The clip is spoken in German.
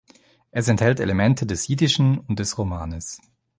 Es enthält Elemente des Jiddischen und des Romanes.